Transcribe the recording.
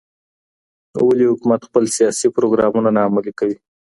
ولي حکومت خپل سياسي پروګرامونه نه عملي کوي؟